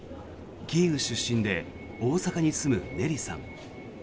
キーウ出身で大阪に住むネリさん。